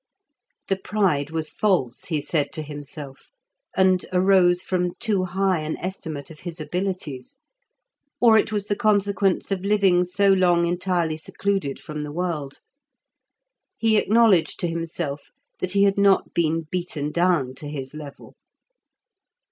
The pride was false, he said to himself, and arose from too high an estimate of his abilities; or it was the consequence of living so long entirely secluded from the world. He acknowledged to himself that he had not been beaten down to his level.